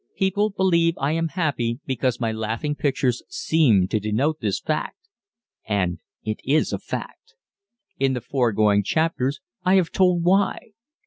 People believe I am happy because my laughing pictures seem to denote this fact and it is a fact! In the foregoing chapters I have told why.